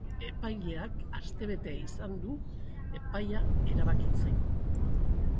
Epaileak astebete izan du epaia erabakitzeko.